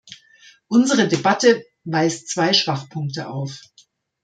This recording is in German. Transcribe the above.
Unsere Debatte weist zwei Schwachpunkte auf.